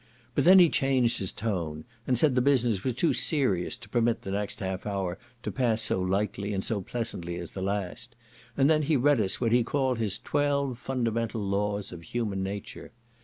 But then he changed his tone, and said the business was too serious to permit the next half hour to pass so lightly and so pleasantly as the last; and then he read us what he called his twelve fundamental laws of human nature.